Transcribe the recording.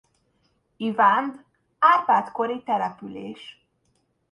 Ivánd Árpád-kori település.